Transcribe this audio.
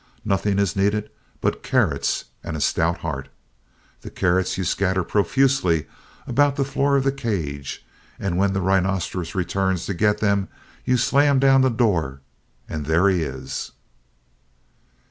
Nothing is needed but carrots and a stout heart. The carrots you scatter profusely about the floor of the cage, and when the rhinoceros returns to get them you slam down the door, and there he is.